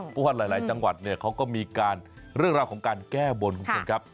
เพราะว่าหลายจังหวัดเขาก็มีเรื่องราวของการแก้บนคุณพี่หนึ่งครับ